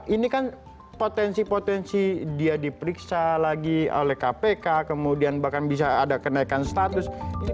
ini kan potensi potensi dia diperiksa lagi oleh kpk kemudian bahkan bisa ada kenaikan status